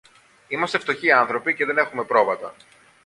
Είμαστε φτωχοί άνθρωποι και δεν έχομε πρόβατα.